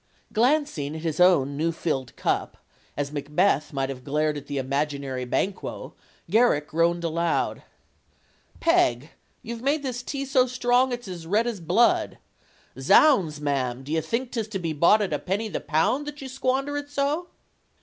Glancing at his own new filled cup, as Macbeth might have glared at the imaginary Banquo, Garrick groaned aloud: "Peg, you've made this tea so strong it's as red as blood. Zounds, ma'am, d'ye think 'tis to be bought at a penny the pound that you squander it so?"